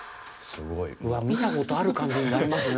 うわっ見た事ある感じになりますね。